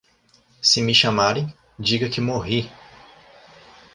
Se me chamarem, diga que morri!